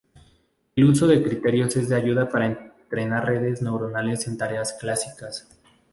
El uso de criterios es de ayuda para entrenar redes neuronales en tareas clásicas.